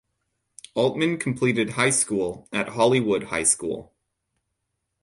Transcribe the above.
Altman completed high school at Hollywood High School.